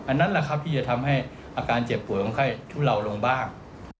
นั่นแหละครับที่จะทำให้อาการเจ็บป่วยของไข้ทุเลาลงบ้าง